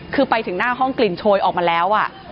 คือไปถึงหน้าห้องกลิ่นโชยออกมาแล้ว